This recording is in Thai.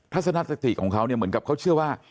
ทัศนสติของเขาเนี่ยเหมือนกับเขาเชื่อว่า